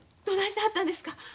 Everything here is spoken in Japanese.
どないしはったんですか？